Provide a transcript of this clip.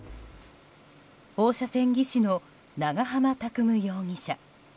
放射線技師の長濱拓夢容疑者。